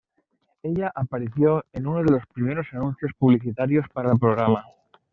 Ella apareció en uno de los primeros anuncios publicitarios para el programa.